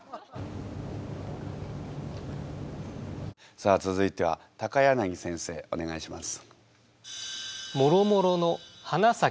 さあ続いては柳先生お願いします。